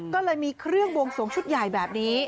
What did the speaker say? ก็เลยมีเครื่องบวงสวงชุดใหญ่แบบนี้